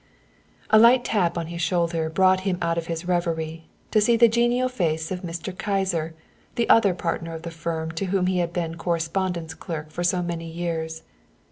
A light tap on his shoulder brought him out of his reverie, to see the genial face of Mr. Kyser, the other partner of the firm to whom he had been correspondence clerk for so many years.